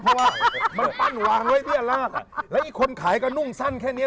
เพราะว่ามันปั้นวางไว้เบี้ยรากอ่ะแล้วอีกคนขายก็นุ่งสั้นแค่เนี้ย